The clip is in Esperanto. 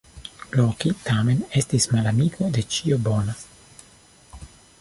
Loki tamen estis malamiko de ĉio bona.